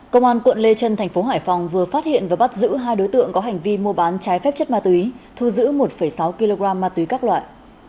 công an quận lê trân thành phố hải phòng vừa phát hiện và bắt giữ hai đối tượng có hành vi mua bán trái phép chất ma túy thu giữ một sáu kg ma túy các loại